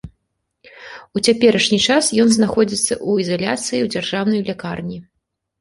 У цяперашні час ён знаходзіцца ў ізаляцыі ў дзяржаўнай лякарні.